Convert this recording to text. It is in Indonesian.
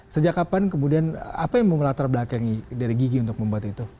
sejak kapan kemudian apa yang mau melatar belakangi dari gigi untuk membuat itu